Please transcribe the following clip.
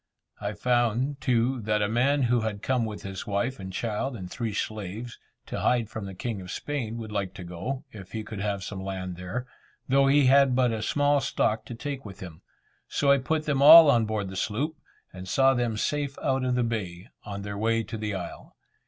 I found, too, that a man who had come with his wife and child and three slaves, to hide from the king of Spain, would like to go, if he could have some land there, though he had but a small stock to take with him; so I put them all on board the sloop, and saw them safe out of the bay, on their way to the isle.